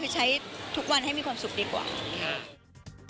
คือใช้ทุกวันให้มีความสุขดีกว่าค่ะ